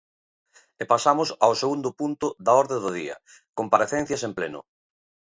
E pasamos ao segundo punto da orde do día, comparecencias en Pleno.